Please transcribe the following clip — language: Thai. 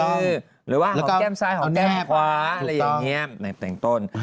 หรือว่าแก้มซ้ายของแก้มขวาอะไรอย่างนี้ในแต่งต้น